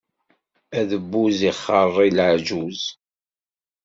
Adebbuz ixeṛṛi leɛǧuz.